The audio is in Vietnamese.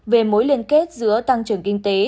về mối liên kết giữa tăng trưởng kinh tế